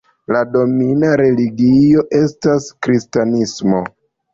La domina religio estas kristanismo.